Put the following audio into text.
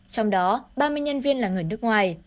trong đó ba mươi nhân viên là người nước ngoài